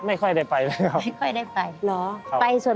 ไม่ค่อยได้ไปบุญ